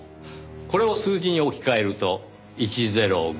これを数字に置き換えると１０５３１。